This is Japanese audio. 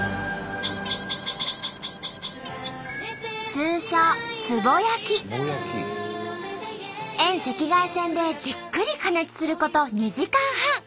通称遠赤外線でじっくり加熱すること２時間半。